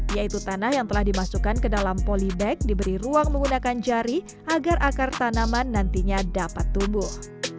yaitu tanah yang telah dimasukkan ke dalam polybag diberi ruang menggunakan jari agar akar tanaman nantinya dapat tumbuh